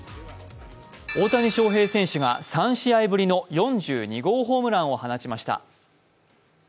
大谷翔平選手が３試合ぶりの４２号ホームランを放ちました。